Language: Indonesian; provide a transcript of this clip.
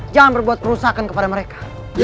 jangan berbuat kerusakan kepada mereka